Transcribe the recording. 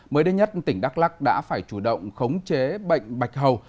mới đây nhất tỉnh đắk lắc đã phải chủ động khống chế bệnh bạch hầu